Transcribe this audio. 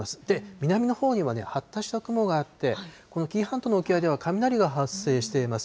南のほうには発達した雲があって、この紀伊半島の沖合では雷が発生しています。